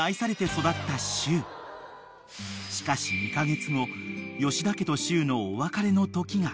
［しかし２カ月後吉田家としゅうのお別れのときが］